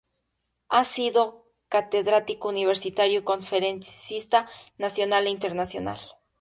Ha sido catedrático universitario y conferencista nacional e internacional.